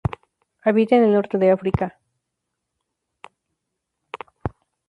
Habita en el norte de África.